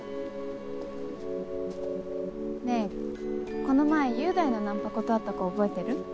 ねえこの前雄大のナンパ断った子覚えてる？